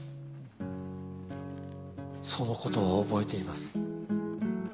「そのことは覚えています」